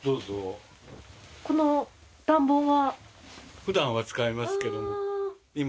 この暖房は？